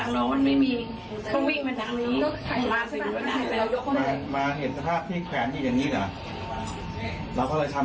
อ้างหวยใคร